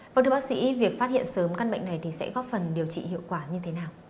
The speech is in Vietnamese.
vâng thưa bác sĩ việc phát hiện sớm căn bệnh này thì sẽ góp phần điều trị hiệu quả như thế nào